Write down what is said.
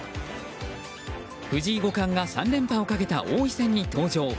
藤井五冠が３連覇をかけた王位戦に登場。